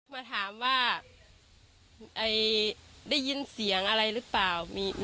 มาถามว่าได้ยินเสียงอะไรหรือเปล่า